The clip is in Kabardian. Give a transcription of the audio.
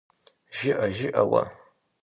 ЖыӀэ, жыӀэ уэ…